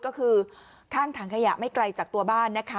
ก็คือข้างถังขยะไม่ไกลจากตัวบ้านนะคะ